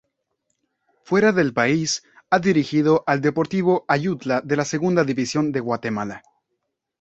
Fuera del país ha dirigido al Deportivo Ayutla de la Segunda División de Guatemala.